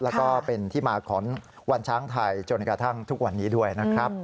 แล้วก็เป็นที่มาของวันช้างไทยจนกระทั่งทุกวันนี้ด้วยนะครับ